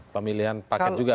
pemilihan paket juga